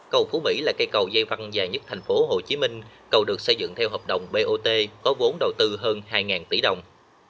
cầu phú mỹ là cây cầu dây văn dài nhất thành phố hồ chí minh cầu được xây dựng theo hợp đồng bot có vốn đầu tư hơn hai tỷ đồng